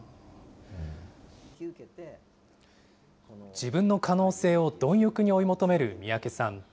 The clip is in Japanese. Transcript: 自分の可能性を貪欲に追い求める三宅さん。